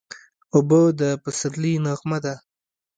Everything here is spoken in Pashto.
اوبه د پسرلي نغمه ده.